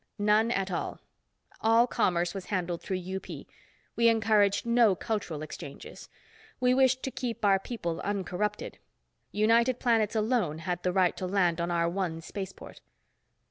None at all. All commerce was handled through UP. We encouraged no cultural exchanges. We wished to keep our people uncorrupted. United Planets alone had the right to land on our one spaceport."